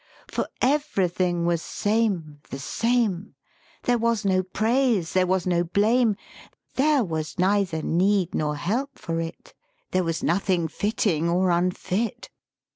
For everything was Same, the Same; There was no praise, there was no blame; There was neither Need nor Help for it; There was nothing fitting or unfit.